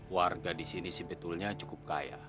warga disini sebetulnya cukup kaya